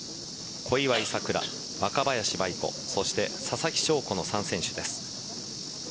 小祝さくら、若林舞衣子そしてささきしょうこの３選手です。